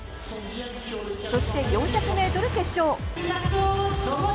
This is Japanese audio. そして、４００ｍ決勝。